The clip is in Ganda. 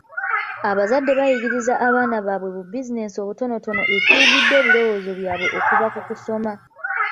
Abazadde bayigirizza abaana bwabwe bu bizinensi obutonotono ekiwugudde ebirowoozo byabwe okuva ku kusoma.